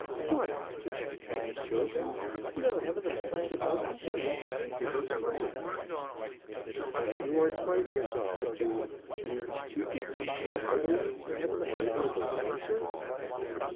"What! to have Patty's children? No, I find it more convenient to pay for their schooling." "But you are quite resolved to to to give me no other, no more favourable answer?"